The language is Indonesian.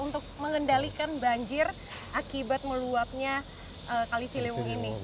untuk mengendalikan banjir akibat meluapnya kali ciliwung ini